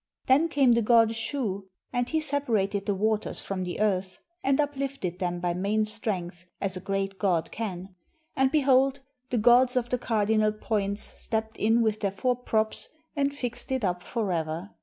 Then came the god Shu, and he separated the waters from the earth, and 8 EARLY EGYPTIAN PICTURE WRITING uplifted them by main strength, "as a great god can"; and behold, the gods of the cardinal points stepped in with their four props and fixed it up forever.